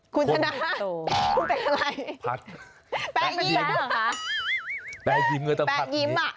คุณธนาคุณเป็นอะไรแปะยิ้มแปะยิ้มอ่ะ